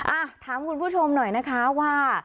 อ่ะถามคุณผู้ชมหน่อยนะคะว่า